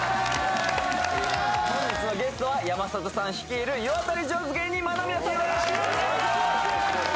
本日のゲストは山里さん率いる世渡り上手芸人Ｍａｎの皆さんです